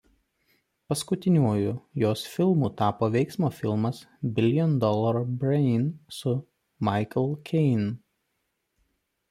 Paskutiniuoju jos filmu tapo veiksmo filmas „Billion Dollar Brain“ su Michael Caine.